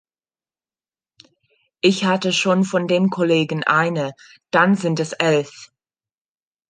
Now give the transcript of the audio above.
Ich hatte schon von dem Kollegen eine, dann sind es elf.